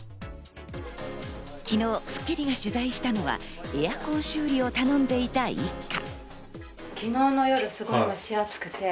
昨日『スッキリ』が取材したのはエアコン修理を頼んでいた一家。